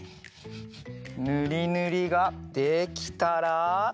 ぬりぬりができたら。